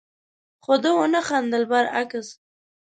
خو ده ونه خندل، برعکس،